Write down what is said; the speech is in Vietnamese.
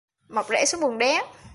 mọc rễ xuống bùn đen?